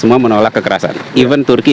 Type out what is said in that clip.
semua menolak kekerasan even turki